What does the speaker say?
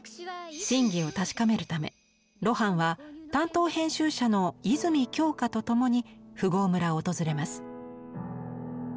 真偽を確かめるため露伴は担当編集者の泉京香と共に富豪村を訪れます。